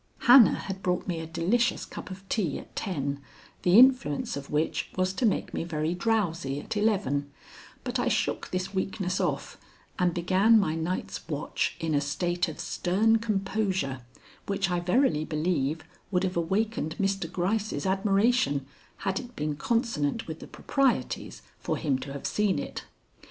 Hannah had brought me a delicious cup of tea at ten, the influence of which was to make me very drowsy at eleven, but I shook this weakness off and began my night's watch in a state of stern composure which I verily believe would have awakened Mr. Gryce's admiration had it been consonant with the proprieties for him to have seen it.